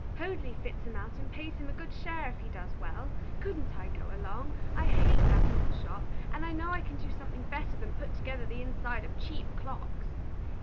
Hoadley fits him out and pays him a good share if he does well. Couldn't I go along? I hate that old shop, and I know I can do something better than put together the insides of cheap clocks."